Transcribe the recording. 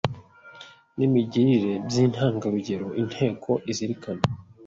n’imigirire by’intangarugero”. Inteko Izirikana